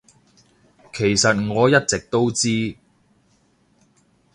其實我一直都知